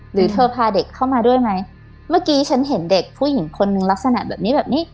หรือเธอพาเด็กเข้ามาด้วยไหมเมื่อกี้ฉันเห็นเด็กผู้หญิงคนนึงลักษณะแบบนี้แบบนี้